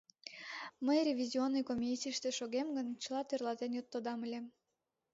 Мый ревизионный комиссийыште шогем гын, чыла тӧрлатен тодам ыле...